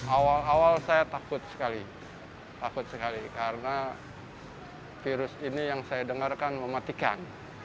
awal awal saya takut sekali takut sekali karena virus ini yang saya dengarkan mematikan